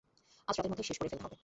আজ রাতের মধ্যেই শেষ করে ফেলতে হবে।